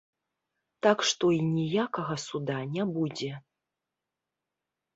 Так што і ніякага суда не будзе.